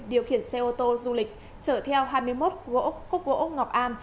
điều khiển xe ô tô du lịch chở theo hai mươi một gỗ ốc cốc gỗ ốc ngọc am